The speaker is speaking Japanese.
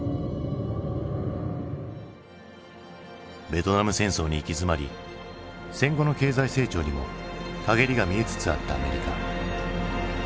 ベトナム戦争に行き詰まり戦後の経済成長にも陰りが見えつつあったアメリカ。